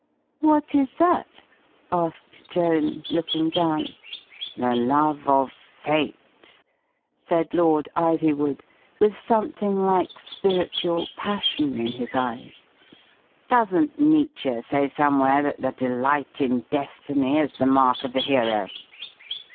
"What is that?" asked Joan, looking down. "The love of Fate," said Lord Iv3rwood, with some ^thing like spiritual passion in his eyes. "Doesn't Nietzsche say somewhere that the delight in destiny is the mark of the hero?